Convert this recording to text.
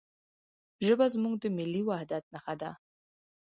ژبه زموږ د ملي وحدت نښه ده.